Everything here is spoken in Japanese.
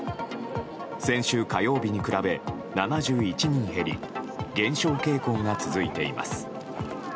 先週火曜日に比べ、７１人減り減少傾向が続いています。